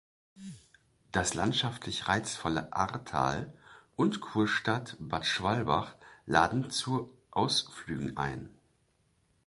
Das landschaftlich reizvolle "Aartal" und Kurstadt Bad Schwalbach laden zu Ausflügen ein.